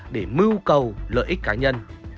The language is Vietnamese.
để mưu cầu lợi ích cá nhân